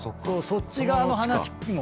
そっち側の話も。